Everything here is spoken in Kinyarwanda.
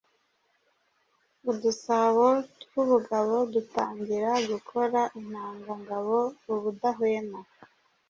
Udusabo tw’ubugabo dutangira gukora intanga ngabo ubudahwema.